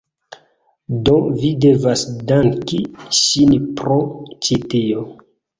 Do, vi devas danki ŝin pro ĉi tio